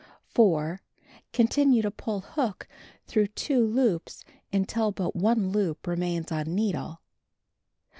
4. Continue to pull hook through 2 loops until but one loop remains on needle.